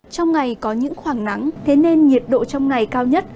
trong ngày có những khoảng nắng thế nên nhiệt độ trong ngày cao nhất